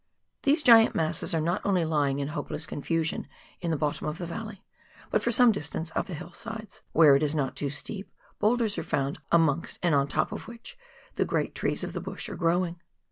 These giant masses are not only lying in hopeless confusion in the bottom of the valley, but for some distance up the hill sides ; where it is not too steep, boulders are found, amongst and on the top of which the great trees of the bush are growing.